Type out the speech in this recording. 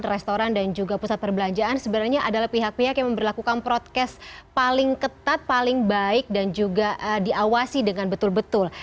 restoran dan juga pusat perbelanjaan sebenarnya adalah pihak pihak yang memperlakukan protes paling ketat paling baik dan juga diawasi dengan betul betul